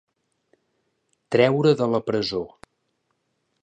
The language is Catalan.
Treure de la presó.